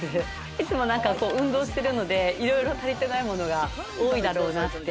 いつも何か運動してるので、いろいろ足りてないものが多いだろうなって。